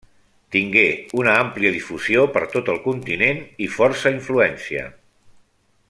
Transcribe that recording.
Tingué una àmplia difusió per tot el continent i força influència.